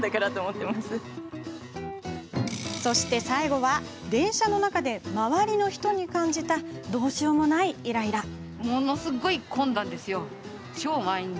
最後は電車の中で周りの人に感じたどうしようもないイライラ。